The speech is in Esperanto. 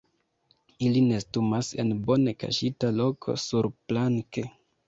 Ili nestumas en bone kaŝita loko surplanke.